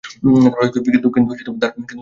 কিন্তু তার প্রচলন ছিল না।